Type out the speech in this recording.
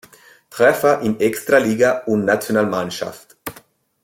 Treffer in Extraliga und Nationalmannschaft.